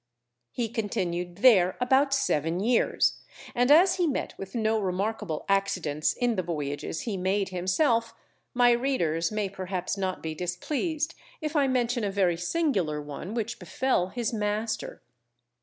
He continued there about seven years, and as he met with no remarkable accidents in the voyages he made himself, my readers may perhaps not be displeased if I mention a very singular one which befell his master.